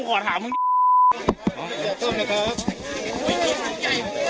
ก็เพราะแฟนประกอบเลย